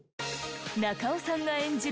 中尾さんが演じる